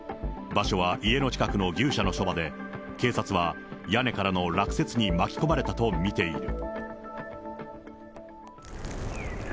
場所は家の近くの牛舎のそばで、警察は屋根からの落雪に巻き込まれたと見ている。